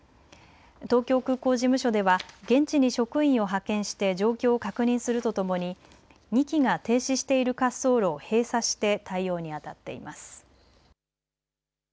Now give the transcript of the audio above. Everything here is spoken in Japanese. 東京空港事務所では現地に職員を派遣して状況を確認するとともに２機が停止している滑走路を閉鎖して対応にあたっています。